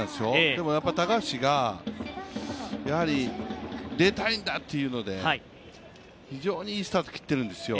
でも高橋が出たいんだというので非常にいいスタート切ってるんですよ